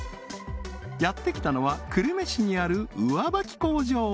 やってきたのは久留米市にある上ばき工場